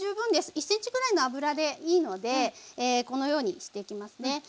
１ｃｍぐらいの油でいいのでこのようにしていきますね。